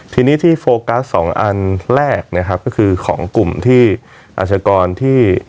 ทีนี้ที่โฟกัสสองอันแรกนะครับก็คือของกลุ่มที่อาชกรที่